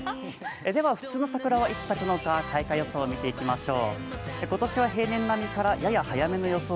普通の桜はいつ咲くのか開花予想を見ていきましょう。